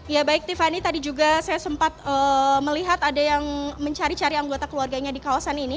ya baik tiffany tadi juga saya sempat melihat ada yang mencari cari anggota keluarganya di kawasan ini